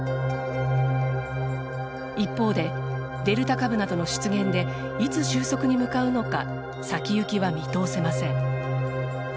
一方で、デルタ株などの出現でいつ収束に向かうのか先行きは見通せません。